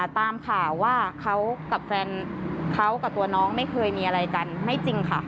ตามข่าวว่าเขากับแฟนเขากับตัวน้องไม่เคยมีอะไรกันไม่จริงค่ะ